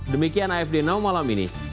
demikian afd now malam ini